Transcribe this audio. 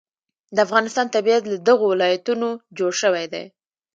د افغانستان طبیعت له دغو ولایتونو جوړ شوی دی.